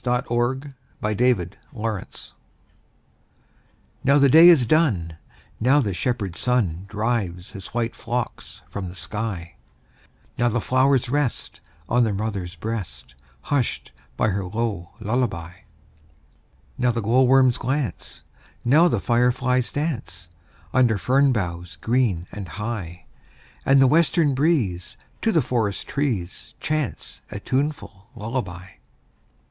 Louisa May Alcott Lullaby NOW the day is done, Now the shepherd sun Drives his white flocks from the sky; Now the flowers rest On their mother's breast, Hushed by her low lullaby. Now the glowworms glance, Now the fireflies dance, Under fern boughs green and high; And the western breeze To the forest trees Chants a tuneful lullaby.